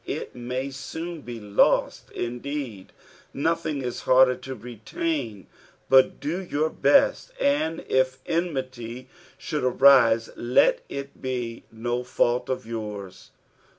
It may soon be lost, indeed, nothing is harder to retain, but do your best, and if enmity should arise let it be no ^ult of yours.